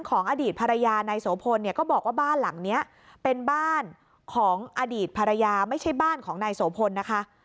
อดีตภรรยานายโสพลเนี่ยก็บอกว่าบ้านหลังนี้เป็นบ้านของอดีตภรรยาไม่ใช่บ้านของนายโสพลนะคะ